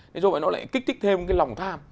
do vậy nó lại kích thích thêm lòng tham